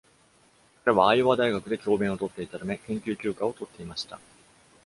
彼はアイオワ大学で教鞭をとっていたため、研究休暇をとっていました。